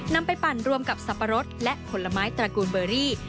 นำไปปั่นรวมกับสับปะรดและผลไม้ตระกูลเบอรี่